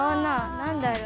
何だろう？